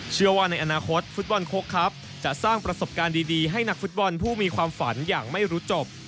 เชื่อว่าในอนาคตฟุตบอลโค้กครับจะสร้างประสบการณ์ดีให้นักฟุตบอลผู้มีความฝันอย่างไม่รู้จบ